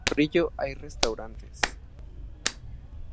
En Ventorrillo hay restaurantes.